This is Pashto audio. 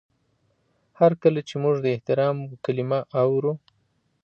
هر کله چې موږ د احترام کلمه اورو.